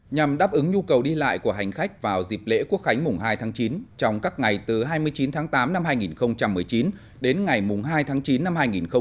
nhằm đáp ứng nhu cầu đi lại của hành khách vào dịp lễ quốc khánh mùng hai tháng chín trong các ngày từ hai mươi chín tháng tám năm hai nghìn một mươi chín đến ngày mùng hai tháng chín năm hai nghìn hai mươi